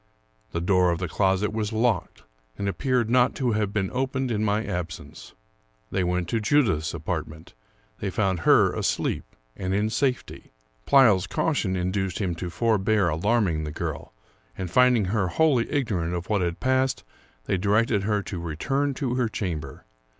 The door of the closet was locked, and appeared not to have been opened in m.y absence. They went to Judith's apart ment. They found her asleep and in safety. Pleyel's cau tion induced him to forbear alarming the girl; and, finding her wholly ignorant of what had passed, they directed her to return to her chamber.